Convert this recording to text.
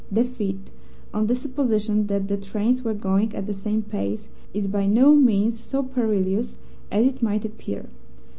The feat (on the supposition that the trains were going at the same pace) is by no means so perilous as it might appear.